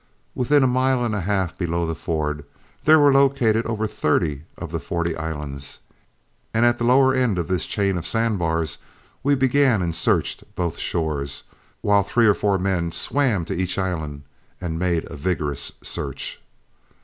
Within a mile and a half below the ford, there were located over thirty of the forty islands, and at the lower end of this chain of sand bars we began and searched both shores, while three or four men swam to each island and made a vigorous search.